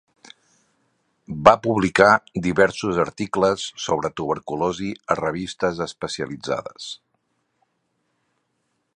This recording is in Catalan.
Va publicar diversos articles sobre tuberculosi a revistes especialitzades.